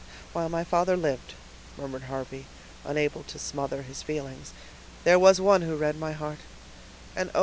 "While my father lived," murmured Harvey, unable to smother his feelings, "there was one who read my heart, and oh!